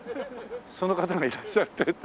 その方がいらっしゃってるって事で。